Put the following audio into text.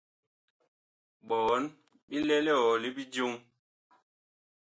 Bɔɔn bi lɛ liɔl li bijoŋ.